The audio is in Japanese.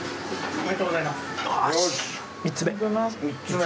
ありがとうございます。